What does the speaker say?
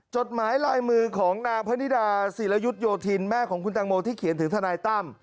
จดหมายลายมือของนางพนิดาศิรยุทธโยธินแม่ของคุณตังโมที่เขียนถึงทนายตั้ม